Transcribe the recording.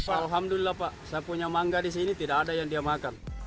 alhamdulillah pak saya punya mangga di sini tidak ada yang dia makan